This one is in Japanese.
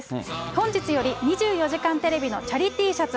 本日より２４時間テレビのチャリＴシャツ